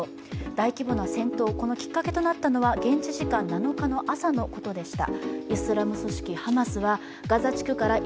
大規模な戦闘、このきっかけとなったのは現地時間７日の朝のことでした。